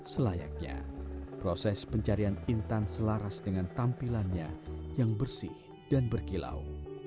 selayaknya proses pencarian intan selaras dengan tampilannya yang bersih dan berkilau